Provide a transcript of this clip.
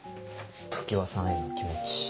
常葉さんへの気持ち。